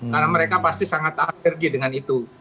karena mereka pasti sangat alergi dengan itu